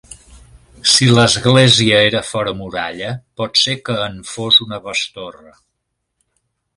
Si l'església era fora muralla, pot ser que en fos una bestorre.